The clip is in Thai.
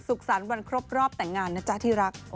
สรรค์วันครบรอบแต่งงานนะจ๊ะที่รัก